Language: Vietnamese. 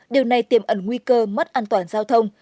điều này tiềm ẩn nguy cơ mất an toàn giao thông